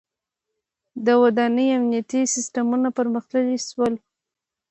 • د ودانیو امنیتي سیستمونه پرمختللي شول.